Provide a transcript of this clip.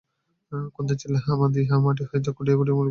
কুন্দর ছেলে হামা দিয়া মাটি হইতে খুঁটিয়া খুঁটিয়া মুড়ি খাইতে থাকে দুবেলা।